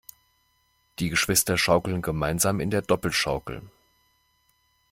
Die Geschwister schaukeln gemeinsam in der Doppelschaukel.